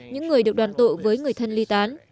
những người được đoàn tụ với người thân ly tán